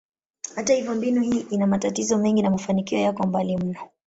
Hata hivyo, mbinu hii ina matatizo mengi na mafanikio yako mbali mno.